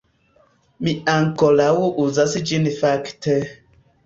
Mi ankoraŭ uzas ĝin fakte